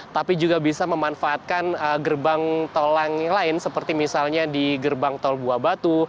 tapi juga bisa memanfaatkan gerbang tol lain seperti misalnya di gerbang tol buabatu